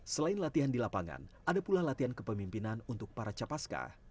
selain latihan di lapangan ada pula latihan kepemimpinan untuk para capaska